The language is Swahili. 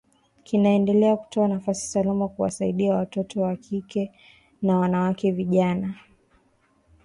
kinaendelea kutoa nafasi salama kuwasaidia watoto wa kike na wanawake vijana